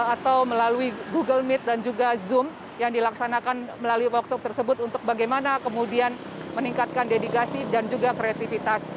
atau melalui google meet dan juga zoom yang dilaksanakan melalui workshop tersebut untuk bagaimana kemudian meningkatkan dedikasi dan juga kreativitas